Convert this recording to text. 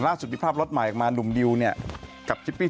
ล่าสุดที่ภาพรอดหมายออกมาหนุ่มนิวกับชิปปี้